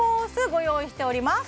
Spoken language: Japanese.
ご用意しております